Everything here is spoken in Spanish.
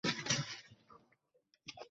La canción fue interpretada por Noel Estrada.